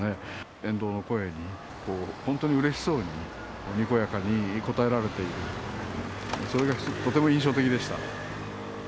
沿道の声に本当にうれしそうに、にこやかに応えられている、それがとても印象的でした。